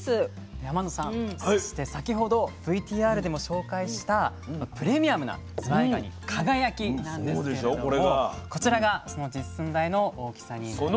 天野さんそして先ほどＶＴＲでも紹介したプレミアムなずわいがに「輝」なんですけれどもこちらがその実寸大の大きさになります。